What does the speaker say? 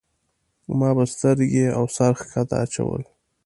ما به سترګې او سر ښکته اچول.